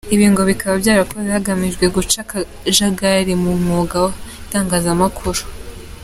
Ibi ngo bikaba byarakozwe hagamijwe guca akajagari mu mwuga w’itangazamakuru.